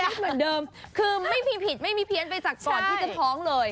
เหมือนเดิมคือไม่มีผิดไม่มีเพี้ยนไปจากก่อนที่จะท้องเลย